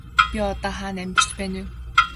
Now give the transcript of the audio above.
Чи одоо хаана амьдарч байна вэ?